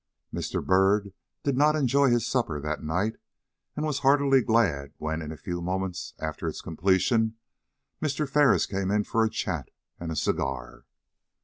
Mr. Byrd did not enjoy his supper that night, and was heartily glad when, in a few moments after its completion, Mr. Ferris came in for a chat and a cigar.